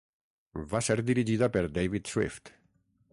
Va ser dirigida per David Swift.